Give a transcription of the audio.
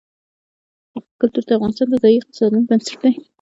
کلتور د افغانستان د ځایي اقتصادونو بنسټ دی.